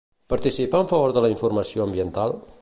Participa en favor de la informació ambiental?